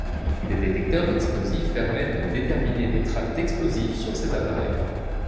Des détecteurs d'explosifs permettent de déterminer des traces d'explosifs sur ces appareils.